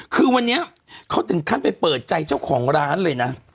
คือวันนี้เขาถึงขั้นไปเปิดใจเจ้าของร้านเลยนะ